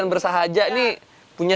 ntar aja ntar